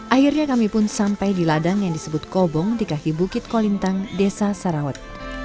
akhirnya kami pun sampai di ladang yang disebut kobong di kaki bukit kolintang desa sarawet